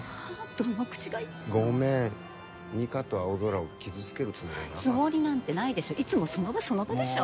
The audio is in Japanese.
どの口がごめん美香と青空を傷つけるつもりはなかったつもりなんてないでしょいつもその場その場でしょ